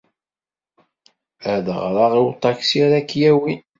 Ad d-ɣreɣ i uṭaksi ara k-yawyen.